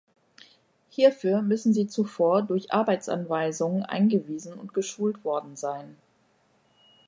Hierfür müssen sie zuvor durch Arbeitsanweisungen eingewiesen und geschult worden sein.